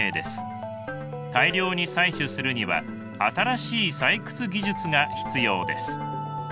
大量に採取するには新しい採掘技術が必要です。